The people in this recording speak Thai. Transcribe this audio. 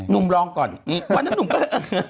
นุ่มรอก่อนวันนั้นนุ่มก็